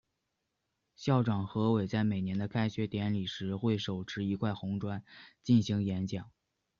校长何伟在每年的开学典礼时会手持一块红砖进行演讲。